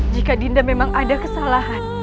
jika dinda memang ada kesalahan